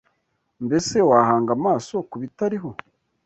mbese wahanga amaso ku bitariho?